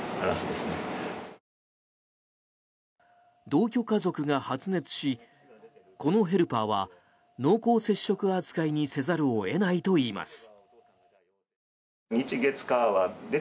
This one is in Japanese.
同居家族が発熱しこのヘルパーは濃厚接触扱いにせざるを得ないといいます。